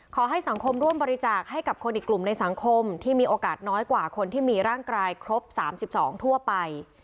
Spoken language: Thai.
ขอให้สังคมร่วมบริจาคให้กับคนอีกกลุ่มในสังคมที่มีโอกาสน้อยกว่าคนที่มีร่างกายครบ๓๒ทั่วไป